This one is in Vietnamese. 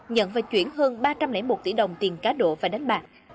nhận và chuyển hơn ba trăm linh một tỷ đồng tiền cá độ và đánh bạc